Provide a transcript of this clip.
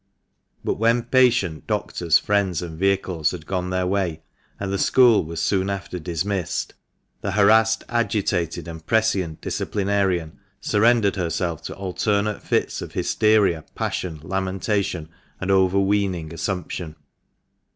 But when patient, doctors, friends, and vehicles had gone their way, and the school was soon after dismissed, the harassed, THE MANCHESTER MAN. 233 agitated, and prescient disciplinarian surrendered herself to alternate fits of hysteria, passion, lamentation, and overweening assumption.